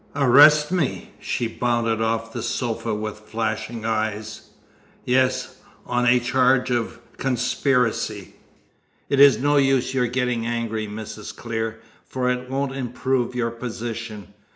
"Arrest me!" She bounded off the sofa with flashing eyes. "Yes, on a charge of conspiracy. It is no use your getting angry, Mrs. Clear, for it won't improve your position.